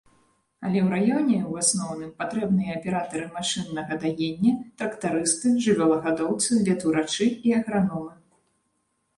Але ў раёне, у асноўным, патрэбныя аператары машыннага даення, трактарысты, жывёлагадоўцы, ветурачы і аграномы.